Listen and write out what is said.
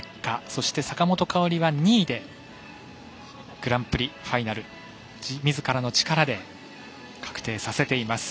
そして坂本花織は２位でグランプリファイナルをみずからの力で確定させています。